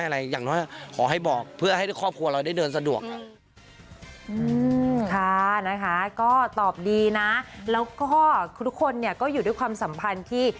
แล้วก็ทุกคนเนี่ยก็อยู่ด้วยความสัมพันธ์ที่